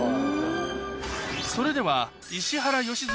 それでは石原良純